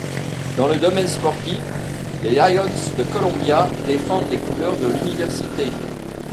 Dans le domaine sportif, les Lions de Columbia défendent les couleurs de l'université.